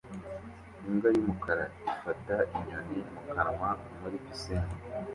Imbwa y'umukara ifata inyoni mu kanwa muri pisine